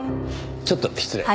ちょっと失礼。